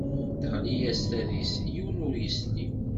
Teɣli-as tadist, yiwen ur yesli.